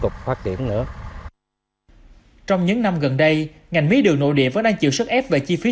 tục phát triển nữa trong những năm gần đây ngành mía đường nội địa vẫn đang chịu sức ép về chi phí